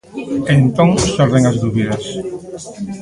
E entón xorden as dúbidas.